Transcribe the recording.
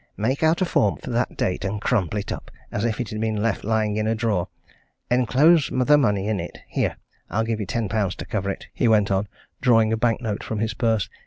Make out a form for that date, and crumple it up as if it had been left lying in a drawer. Enclose the money in it here, I'll give you ten pounds to cover it," he went on, drawing a bank note from his purse.